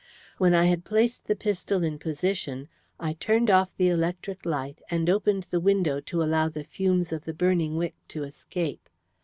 When I had placed the pistol in position I turned off the electric light, and opened the window to allow the fumes of the burning wick to escape.